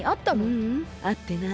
ううん。あってない。